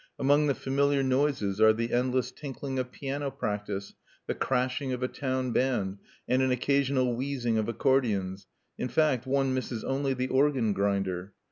Among the familiar noises are the endless tinkling of piano practice, the crashing of a town band, and an occasional wheezing of accordions: in fact, one misses only the organ grinder.